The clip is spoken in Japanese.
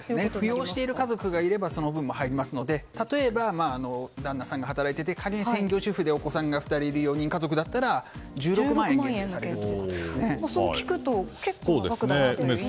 扶養している家族がいればその分も入りますので例えば、旦那さんが働いてて仮に専業主婦でお子さんが２人いて４人家族だったらそう聞くと結構な額ですよね。